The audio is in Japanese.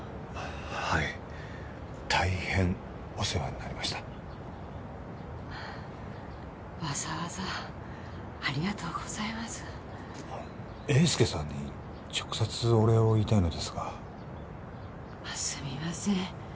はい大変お世話になりましたわざわざありがとうございます英輔さんに直接お礼を言いたいのですがすみません